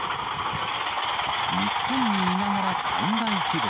日本にいながら海外気分。